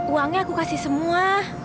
uangnya aku kasih semua